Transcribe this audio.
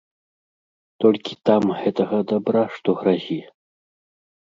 Толькі там гэтага дабра, што гразі.